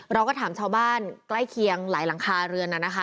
เราก็ถามชาวบ้านใกล้เคียงหลายหลังคาเรือนน่ะนะคะ